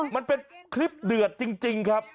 มันเป็นคลิปเดือดจริงครับ